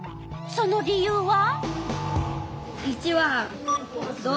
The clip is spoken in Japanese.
その理由は？